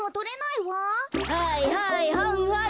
はいはいはんはい。